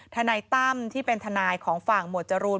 ทนายตั้มที่เป็นทนายของฝั่งหมวดจรูน